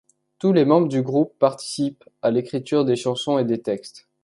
Tous les membres du groupe participent à l’écriture des chansons et des textes.